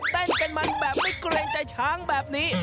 เต้นกันมันแบบไม่เกรงใจช้างแบบนี้